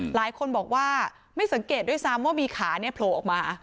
หลายคนบอกว่าไม่สังเกตด้วยซ้ำว่ามีขาเนี่ยโผล่ออกมา